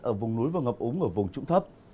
ở vùng núi và ngập úng ở vùng trũng thấp